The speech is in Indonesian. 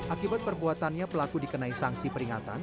akibat perbuatannya pelaku dikenai sanksi peringatan